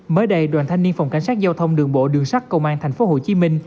mới đây đoàn thanh niên phòng cảnh sát giao thông đường bộ đường sắt công an tp hcm